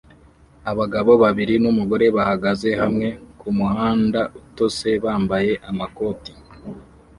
Abagabo babiri numugore bahagaze hamwe kumuhanda utose bambaye amakoti